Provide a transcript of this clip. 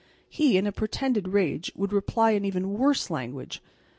He, in a pretended rage, would reply in even worse language.